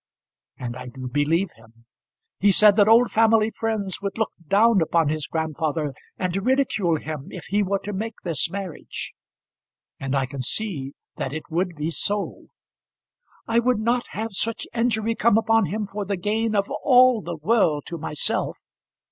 And I do believe him. He said that old family friends would look down upon his grandfather and ridicule him if he were to make this marriage. And I can see that it would be so. I would not have such injury come upon him for the gain of all the world to myself.